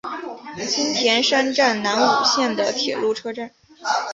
津田山站南武线的铁路车站。